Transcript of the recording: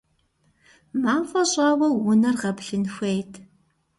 МафӀэ щӀауэ унэр гъэплъын хуейт.